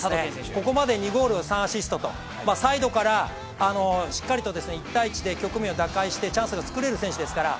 ここまで２ゴール、３アシストとサイドからしっかりと１対１で局面を打開してチャンスを作れますから。